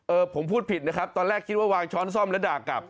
ผมพูดผิดนะครับตอนแรกคิดว่าวางช้อนซ่อมแล้วด่ากลับ